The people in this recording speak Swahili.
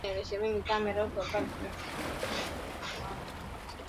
redio zinapata changamoto katika matangazo yake